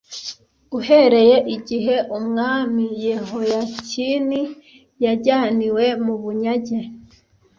uhereye igihe umwami yehoyakinie yajyaniwe mu bunyage